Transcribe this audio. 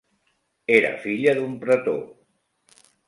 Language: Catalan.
Era filla d'un pretor.